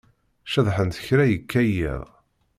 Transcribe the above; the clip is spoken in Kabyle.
Ceḍḥent kra yekka yiḍ.